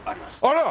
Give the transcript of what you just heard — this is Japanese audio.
あら！